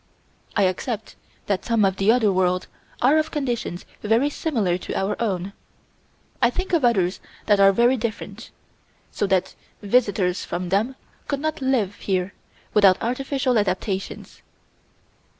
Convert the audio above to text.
I accept that some of the other worlds are of conditions very similar to our own. I think of others that are very different so that visitors from them could not live here without artificial adaptations.